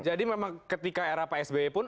jadi memang ketika era pak sb pun